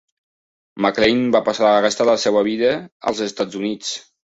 MacLane va passar la resta de la seva vida als Estats Units.